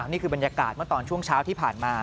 นี่คือบรรยากาศเมื่อตอนช่วงเช้าที่ผ่านมา